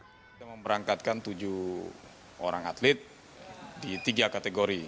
kita memberangkatkan tujuh orang atlet di tiga kategori